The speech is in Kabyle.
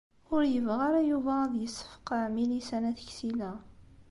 Ur yebɣi ara Yuba ad yessefqeɛ Milisa n At Ksila.